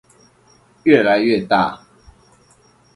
愈來愈大